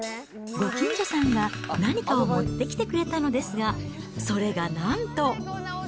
ご近所さんが何かを持ってきてくれたのですが、それがなんと。